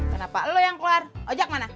kenapa lo yang keluar ojek mana